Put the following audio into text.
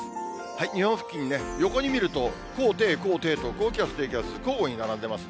日本付近、横に見ると、高、低、高、低と、高気圧、低気圧、交互に並んでますね。